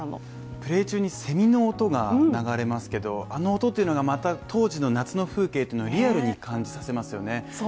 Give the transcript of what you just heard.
プレー中にせみの音が流れますけどあの音というのはまた当時の夏の風景というのをリアルに感じさせますよね。